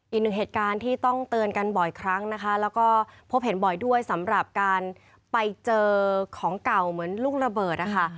อีกหนึ่งเหตุการณ์ที่ต้องเตือนกันบ่อยครั้งนะคะแล้วก็พบเห็นบ่อยด้วยสำหรับการไปเจอของเก่าเหมือนลูกระเบิดนะคะ